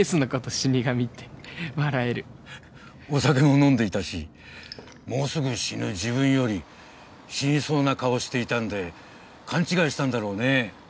死神って笑えるお酒も飲んでいたしもうすぐ死ぬ自分より死にそうな顔していたんで勘違いしたんだろうねね